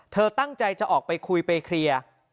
เธอตั้งใจจะออกไปคุยไปเคลียร์